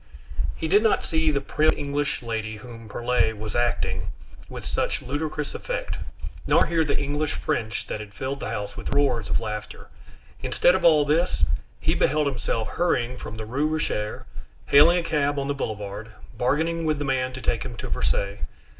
He did not see the prim English lady whom Perlet was acting with such ludicrous effect, nor hear the English French that had filled the house with roars of laughter; instead of all this, he beheld himself hurrying from the Rue Richer, hailing a cab on the Boulevard, bargaining with the man to take him to Versailles.